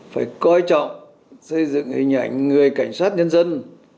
phải coi trọng xây dựng hình ảnh người cảnh sát nhân dân